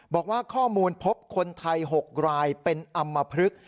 บอกว่าข้อมูลพบคนไทย๖รายเป็นอำมพลึก